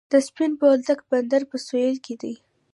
د سپین بولدک بندر په سویل کې دی